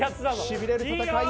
しびれる戦い。